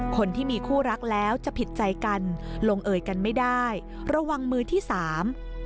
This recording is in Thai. คนที่มีคู่รักแล้วจะผิดใจกันลงเอยกันไม่ได้ระวังมือที่สาม